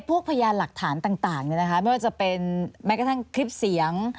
พยานหลักฐานต่างไม่ว่าจะเป็นแม้กระทั่งคลิปเสียง